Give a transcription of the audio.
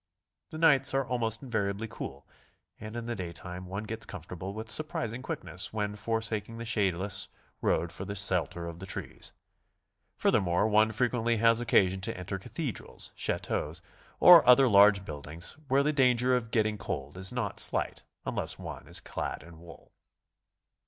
The nights are almost invariably cool, and in the day time one gets comfortable with surprising quickness when for saking the shadeless road for the shelter of the trees. Fur thermore, one frequently 'has occasion to enter 'Cathedrals, chateaux or other large buildings where the danger of get ting cold is not slight unless one is clad in wool.